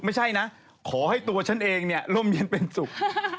ไม่ใช่นะขอให้ตัวฉันเองเนี่ยร่มเย็นเป็นสุข